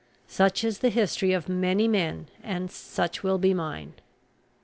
Such is the history of many men, and such will be mine.